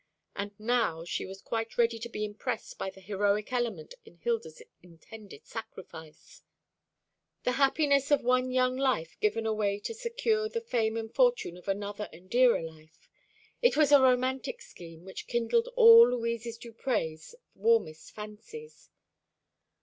And now she was quite ready to be impressed by the heroic element in Hilda's intended sacrifice. The happiness of one young life given away to secure the fame and fortune of another and dearer life. It was a romantic scheme which kindled all Louise Duprez's warmest fancies.